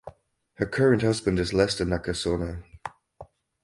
Her current husband is Lester Nakasone.